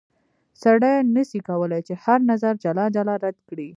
سړی نه سي کولای چې هر نظر جلا جلا رد کړي.